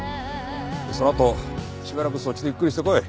そのあとしばらくそっちでゆっくりしてこい。